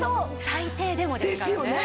「最低でも」ですからね。